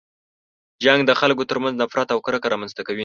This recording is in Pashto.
جنګ د خلکو تر منځ نفرت او کرکه رامنځته کوي.